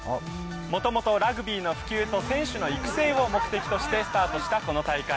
もともとラグビーの普及と選手の育成を目的としてスタートしたこの大会。